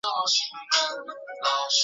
尼克路车站列车服务。